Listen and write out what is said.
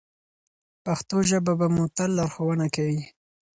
پښتو ژبه به مو تل لارښوونه کوي.